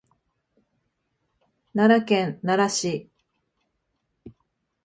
奈良県奈良市